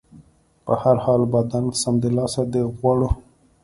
په هر حال، بدن سمدلاسه د غوړو